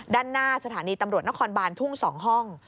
ด้านหน้าสถานีตำรวจนครบานทุ่ง๒ห้อง